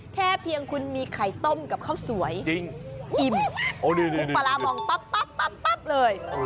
แค่เพียงคุณมีไข่ต้มกับข้าวสวยจริงอิ่มโอ้ดีปราบองปั๊บเลย